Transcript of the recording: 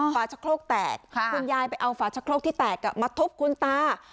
ฝาชะโครกแตกคุณยายไปเอาฝาชะโครกที่แตกมาทุบคุณตา